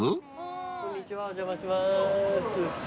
こんにちはお邪魔します。